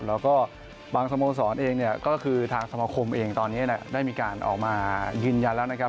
แล้วก็บางสโมสรเองเนี่ยก็คือทางสมาคมเองตอนนี้ได้มีการออกมายืนยันแล้วนะครับ